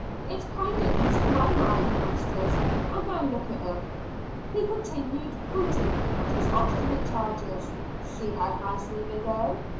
It kinder eases my mind, youngsters, and now look at 'em," he continued, pointing at his obstinate charges; "see how nicely they go.